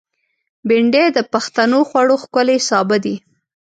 بېنډۍ د پښتنو خوړو ښکلی سابه دی